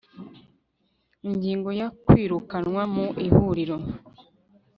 Ingingo ya Kwirukanwa mu Ihuriro